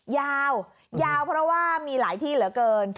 ยาวยาวเพราะว่ามีหลายที่เหลือเกิน